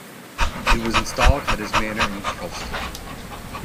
It was installed at his manor in Kelston.